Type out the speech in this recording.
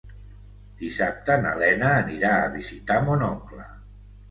Dissabte na Lena anirà a visitar mon oncle.